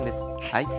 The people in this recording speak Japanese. はい。